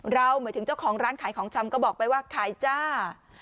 หมายถึงเจ้าของร้านขายของชำก็บอกไปว่าขายจ้า